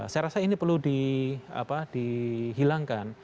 saya rasa ini perlu dihilangkan